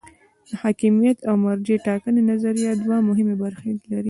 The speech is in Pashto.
د حاکمیت او مرجع ټاکنې نظریه دوه مهمې برخې لري.